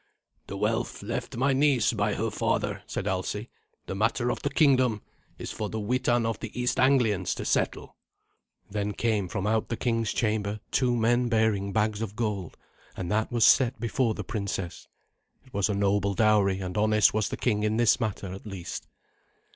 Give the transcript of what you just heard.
"The wealth left my niece by her father," said Alsi. "The matter of the kingdom is for the Witan of the East Anglians to settle." Then came from out the king's chamber two men bearing bags of gold, and that was set before the princess. It was a noble dowry, and honest was the king in this matter at least.